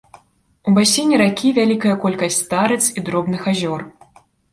У басейне ракі вялікая колькасць старыц і дробных азёр.